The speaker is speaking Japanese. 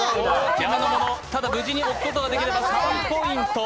ただ無事に置くことができれば３ポイント。